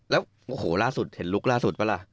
แล้วโอ้โหล่าสุดเห็นลุคล่าสุดปะล่ะ